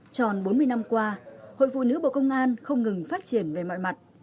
tròn bốn mươi năm qua hội phụ nữ bộ công an không ngừng phát triển về mọi mặt